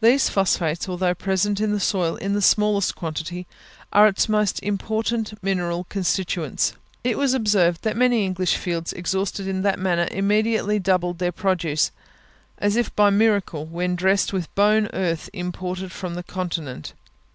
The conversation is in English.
These phosphates, although present in the soil in the smallest quantity, are its most important mineral constituents. It was observed that many English fields exhausted in that manner immediately doubled their produce, as if by a miracle, when dressed with bone earth imported from the Continent.